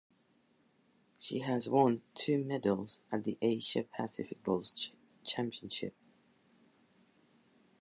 She has won two medals at the Asia Pacific Bowls Championships.